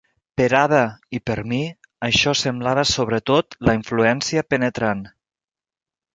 Per Ada i per mi, això semblava sobre tot la influència penetrant.